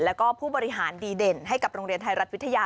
แล้วก็ผู้บริหารดีเด่นให้กับโรงเรียนไทยรัฐวิทยา